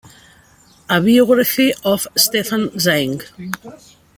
A Biography of Stefan Zweig".